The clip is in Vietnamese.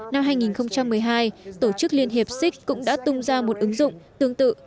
năm hai nghìn một mươi hai tổ chức liên hiệp six cũng đã tung ra một ứng dụng tương tự